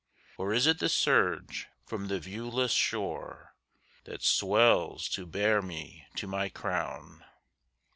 Or is it the surge from the viewless shore That swells to bear me to my crown?